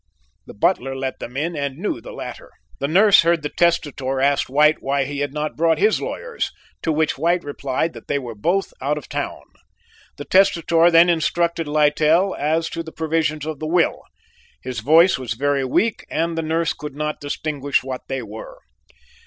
"The butler let them in and knew the latter. "The nurse heard the testator ask White why he had not brought his lawyers, to which White replied that they were both out of town. The testator then instructed Littell as to the provisions of the will; his voice was very weak and the nurse could not distinguish what they were.